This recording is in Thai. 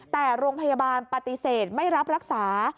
แต่โรงพยาบาลปฏิเสธไม่รับรักษา